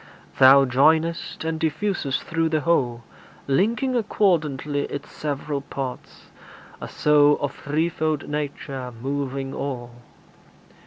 Thou joinest and diffusest through the whole, Linking accordantly its several parts, A soul of threefold nature, moving all.